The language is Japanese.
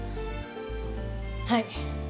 はい。